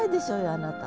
あなた。